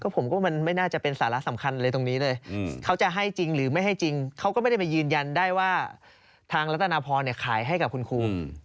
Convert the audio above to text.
ผมว่ามันไม่น่าจะเป็นสาระสำคัญเลยตรงนี้เลยเขาจะให้จริงหรือไม่ให้จริงเขาก็ไม่ได้ไปยืนยันได้ว่าทางรัฐนาพรขายให้กับคุณครู